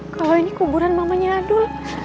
kalau ini kuburan mamanya adul